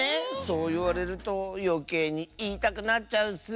そういわれるとよけいにいいたくなっちゃうッス。